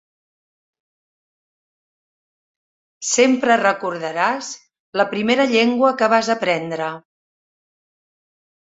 Sempre recordaràs la primera llengua que vas aprendre.